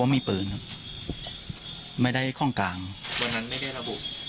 วันนั้นไม่ได้ระบุ